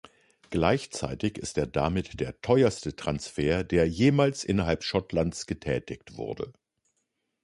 Gleichzeitig ist er damit der teuerste Transfer, der jemals innerhalb Schottlands getätigt wurde.